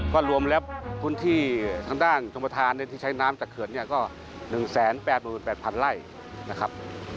ก็รวมแล้วคุณที่ทางด้านจมภาษาที่ใช้น้ำจากเขือดเนี่ยก็๑๘๘๐๐๐ไล่นะครับ